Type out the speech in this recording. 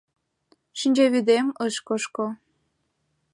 Шинчавӱдем ыш кошко.